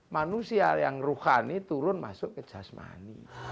manusia yang ruhani turun masuk ke jasmani